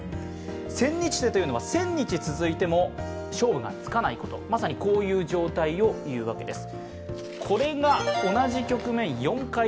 千日手というのは千日続いても勝負がつかないこと、まさにこういう状態を言うわけです。